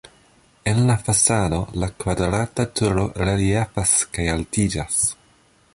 En la fasado la kvadrata turo reliefas kaj altiĝas.